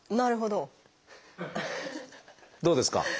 どうですか？